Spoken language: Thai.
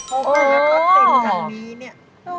เพราะตินทางอย่างนี้เนี่ย